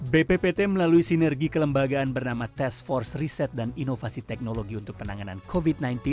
bppt melalui sinergi kelembagaan bernama task force reset dan inovasi teknologi untuk penanganan covid sembilan belas